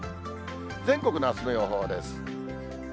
全国のあすの予報です。